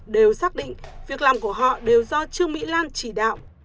đều xác định việc làm của họ đều do trương mỹ lan chỉ đạo